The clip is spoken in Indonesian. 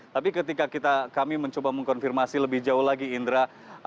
tapi ketika kami mencoba mengkonfirmasi lebih jauh lagi indra